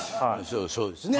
そうですね。